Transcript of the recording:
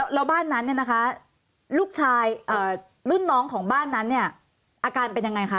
แล้วบ้านนั้นเนี่ยนะคะลูกชายรุ่นน้องของบ้านนั้นเนี่ยอาการเป็นยังไงคะ